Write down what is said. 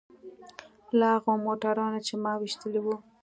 له هغو موټرانو چې ما ويشتلي وو.